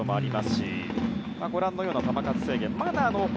しご覧のような球数制限です。